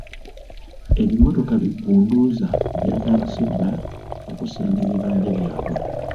Ebimotoka bigunduuza byatandise dda okusenda ebibanja byabwe.